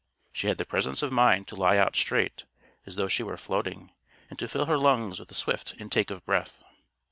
She had the presence of mind to lie out straight, as though she were floating, and to fill her lungs with a swift intake of breath.